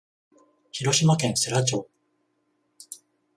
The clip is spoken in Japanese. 広島県世羅町